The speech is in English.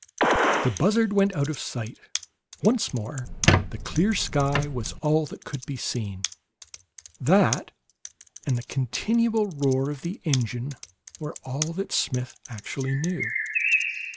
The buzzard went out of sight. Once more the clear sky was all that could be seen; that, and the continual roar of the engine, were all that Smith actually knew.